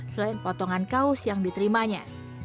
selain potongan kaos yang diterimanya